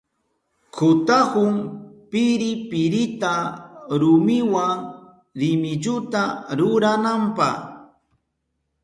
Kutahun piripirita rumiwa rimilluta rurananpa.